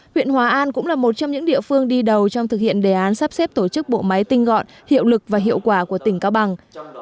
huyện hòa an cũng là một trong những địa phương đi đầu trong thực hiện đề án sắp xếp tổ chức bộ máy tinh gọn hiệu lực và hiệu quả của tỉnh cao bằng